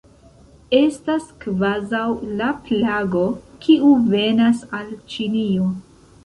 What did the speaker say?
Estas kvazaŭ la plago, kiu venas al Ĉinio.